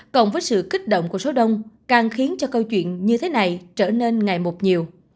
cộng với sự kích động của số đông càng khiến cho câu chuyện như thế này trở nên ngày một nhiều